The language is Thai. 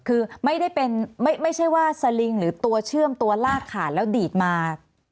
คือไม่ได้เป็นไม่ใช่ว่าสลิงหรือตัวเชื่อมตัวลากขาดแล้วดีดมา